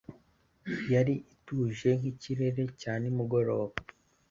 yari ituje nk'ikirere cya nimugoroba.